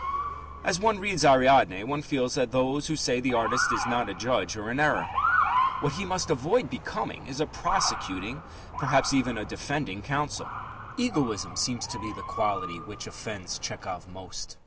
As one reads Ariadne, one feels that those who say the artist is not a judge are in error. What he must avoid becoming is a prosecuting perhaps even a defending counsel. Egoism seems to be the quality which offends Tchehov most.